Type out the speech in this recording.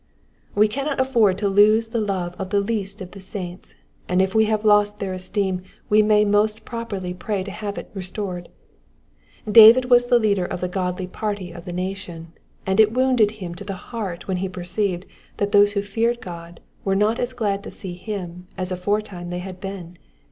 We cannot afford to lose the love of the least of the saints, and if we have lost their esteem we may most properly pray to have it restored. David was the leader of the godly party in the nation, and it wounded him to the heart when he perceived that those who feared God were not as glad to see him as aforetime they had been.